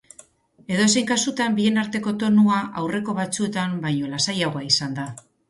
Edozein kasutan, bien arteko tonua aurreko batzuetan baino lasaiagoa izan da.